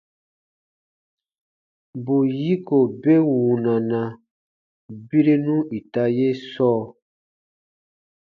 Bù yiko be wunana birenu ita ye sɔɔ.